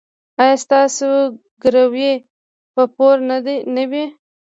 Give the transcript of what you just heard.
ایا ستاسو ګروي به پوره نه وي؟